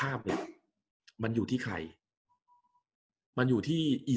กับการสตรีมเมอร์หรือการทำอะไรอย่างเงี้ย